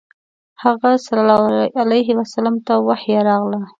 هغه ﷺ ته وحی راغله.